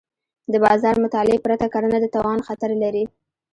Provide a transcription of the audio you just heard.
د بازار مطالعې پرته کرنه د تاوان خطر لري.